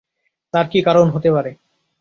তার কী কারণ হতে পারে?